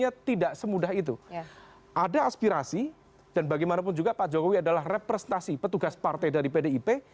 ada aspirasi dan bagaimanapun juga pak jokowi adalah representasi petugas partai dari pdip